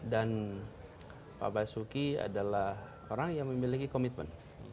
dan pak basuki adalah orang yang memiliki komitmen